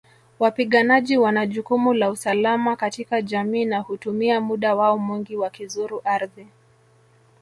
Wapiganaji wana jukumu la usalama katika jamii na hutumia muda wao mwingi wakizuru ardhi